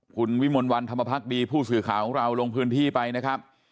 คุณวิมลวันธรรมพักดีผู้สื่อข่าวของเราลงพื้นที่ไปนะครับ